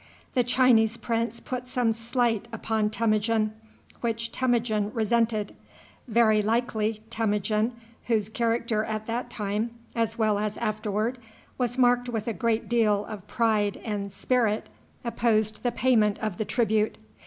The Chinese prince put some slight upon Temujin, which Temujin resented. Very likely Temujin, whose character at that time, as well as afterward, was marked with a great deal of pride and spirit, opposed the payment of the tribute.